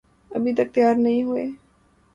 ابھی تک تیار نہیں ہوئیں؟